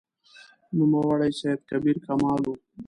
نوموړی سید کبیر کمال و.